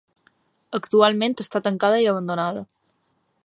Actualment està tancada i abandonada.